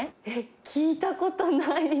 聞いたことない。